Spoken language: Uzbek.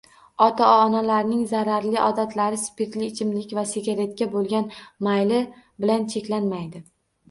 Ota-onalarning zararli odatlari spirtli ichimlik va sigaretga bo‘lgan mayl bilan cheklanmaydi.